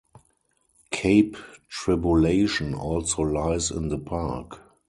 Cape Tribulation also lies in the park.